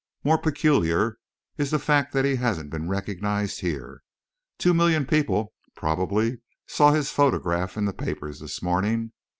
"More peculiar is the fact that he hasn't been recognised here. Two million people, probably, saw his photograph in the papers this morning.